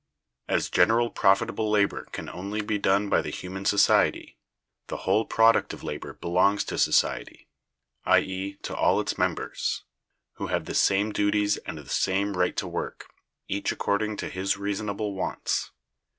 As general profitable labor can only be done by the human society, the whole product of labor belongs to society—i.e., to all its members—who have the same duties and the same right to work, each according to his reasonable wants.